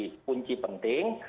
ini adalah kunci penting